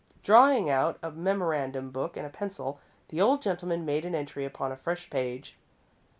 Drawing out a memorandum book and a pencil, the old gentleman made an entry upon a fresh page.